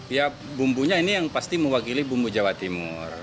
ya bumbunya ini yang pasti mewakili bumbu jawa timur